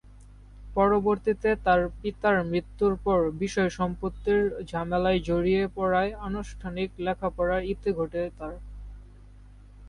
পরবর্তীতে তার পিতার মৃত্যুর পর বিষয় সম্পত্তির ঝামেলায় জড়িয়ে পরায় আনুষ্ঠানিক লেখাপড়ার ইতি ঘটে তার।